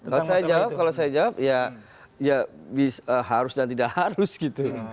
kalau saya jawab kalau saya jawab ya ya harus dan tidak harus gitu ya